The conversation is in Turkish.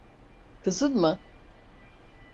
Kızın mı?